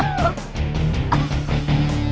yang kamu larang parkir lagi